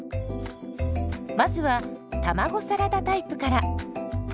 まずは卵サラダタイプから。